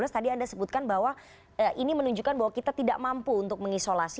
tadi anda sebutkan bahwa ini menunjukkan bahwa kita tidak mampu untuk mengisolasi